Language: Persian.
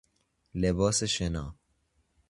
لباس شنا